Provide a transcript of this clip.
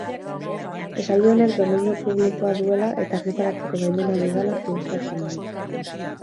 Esaldi honek domeinu publikoa duela eta argitaratzeko baimena dudala ziurtatzen dut.